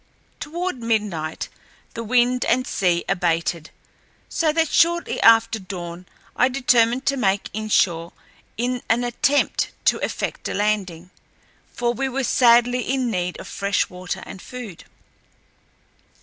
Toward midnight the wind and sea abated, so that shortly after dawn I determined to make inshore in an attempt to effect a landing, for we were sadly in need of fresh water and food.